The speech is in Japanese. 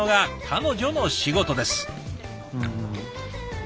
彼女の仕事です。